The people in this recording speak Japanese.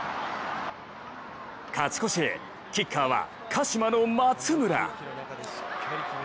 勝ち越しへ、キッカーは鹿島の松村。